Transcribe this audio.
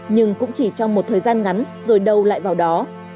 nhưng cũng chỉ trong một thời gian ngắn rồi đâu lại vào đó